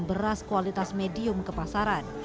beras kualitas medium ke pasaran